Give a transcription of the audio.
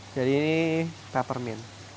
jadi ini peppermint